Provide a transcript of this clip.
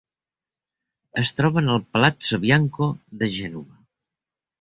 Es troba en el Palazzo Bianco de Gènova.